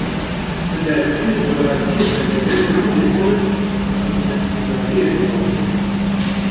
Li Dêrsimê welatiyên vedigerin gundên xwe xizmetgûzariyê dixwazin.